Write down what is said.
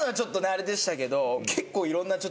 あれでしたけど。